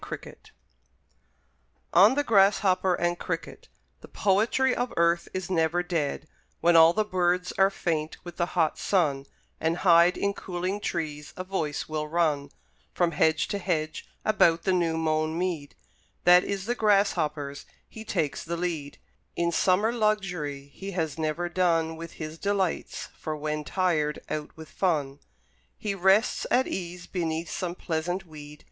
Wordsworth ON THE GRASSHOPPER AND CRICKET The poetry of earth is never dead: When all the birds are faint with the hot sun, And hide in cooling trees, a voice will run From hedge to hedge about the new mown mead; That is the Grasshopper's he takes the lead In summer luxury he has never done With his delights; for when tired out with fun He rests at ease beneath some pleasant weed.